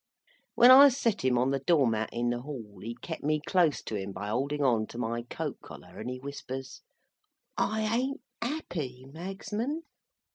When I set him on the door mat in the hall, he kep me close to him by holding on to my coat collar, and he whispers: "I ain't 'appy, Magsman."